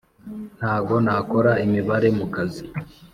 Ntago nakora imibare mu kazi